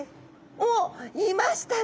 おっいましたね！